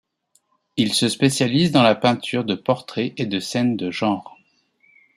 Il se spécialise dans la peinture de portraits et de scènes de genre.